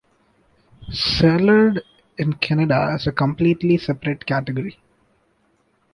Cellared in Canada is a completely separate category.